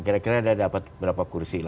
kira kira dia dapat berapa kursi